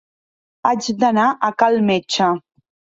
Haig d'anar a cal metge.